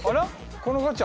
このガチャ。